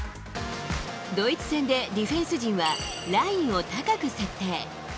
ドイツ戦でディフェンス陣はラインを高く設定。